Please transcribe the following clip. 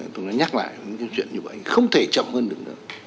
tôi nhắc lại những chuyện như vậy không thể chậm hơn được nữa